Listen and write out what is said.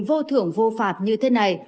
vô thưởng vô phạt như thế này